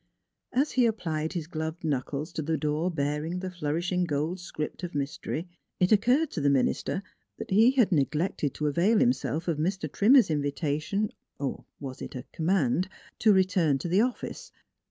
As he applied his gloved knuckles to the door bearing the flourishing gold script of mystery, it occurred to the minister that he had neglected to avail himself of Mr. Trimmer's invi tation or was it a command? to return to the office.